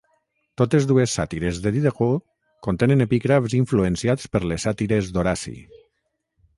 Totes dues sàtires de Diderot contenen epígrafs influenciats per les sàtires d'Horaci.